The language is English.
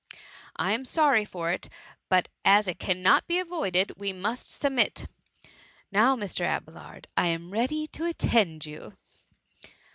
''^^^ I am sorry for it, but as it cannot be avoided we must submit. Now, Mr. Abelard, I am ready to attend to you.